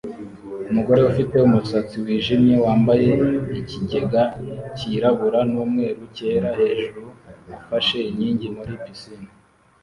Umugore ufite umusatsi wijimye wambaye ikigega cyirabura n'umweru cyera hejuru afashe inkingi muri pisine